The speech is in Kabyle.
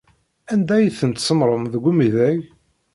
Anda ay ten-tsemmṛem deg umidag?